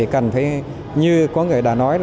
cần phải như có người đã nói